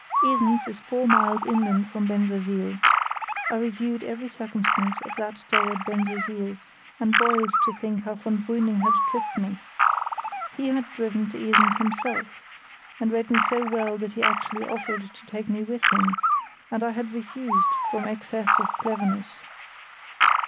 Esens is four miles inland from Bensersiel. I reviewed every circumstance of that day at Bensersiel, and boiled to think how von Brüning had tricked me. He had driven to Esens himself, and read me so well that he actually offered to take me with him, and I had refused from excess of cleverness.